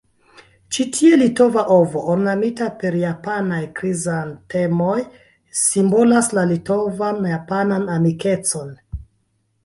Ĉi tie litova ovo, ornamita per japanaj krizantemoj, simbolas la litovan-japanan amikecon.